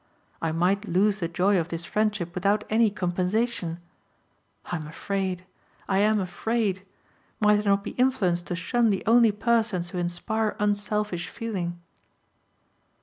I might lose the joy of this friendship without any compensation. I am afraid; I am afraid! Might I not be influenced to shun the only persons who inspire unselfish feeling?